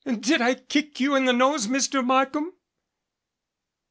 Did I kick you in the nose, Mr. Markham?"